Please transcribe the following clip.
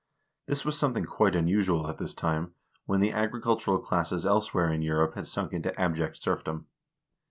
This was some thing quite unusual at this time, when the agricultural classes else where in Europe had sunk into abject serfdom.